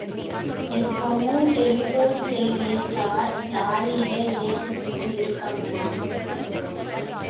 இப்பவும் டெலிபோன் செய்தேன் ஸார்... லாரியில ஏத்திக்கிட்டு இருக்காங்களாம்.